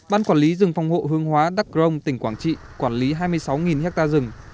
ban quản lý rừng phòng hộ hướng hóa đắc rông tỉnh quảng trị quản lý hai mươi sáu ha rừng